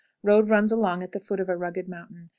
Road runs along at the foot of a rugged mountain.